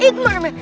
eh itu mana ini